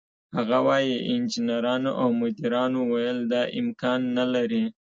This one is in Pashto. هغه وايي: "انجنیرانو او مدیرانو ویل دا امکان نه لري،